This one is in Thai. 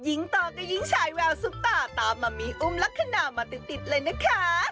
หญิงต่อก็หญิงชายแววซุปต้าตามมามีอุ้มลักขณะมาตึกติดเลยนะค้า